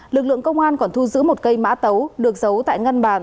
lực lượng công an còn thu giữ một cây mã tấu được giấu tại ngân bàn